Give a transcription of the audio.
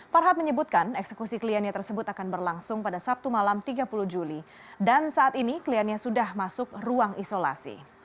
farhad menyebutkan eksekusi kliennya tersebut akan berlangsung pada sabtu malam tiga puluh juli dan saat ini kliennya sudah masuk ruang isolasi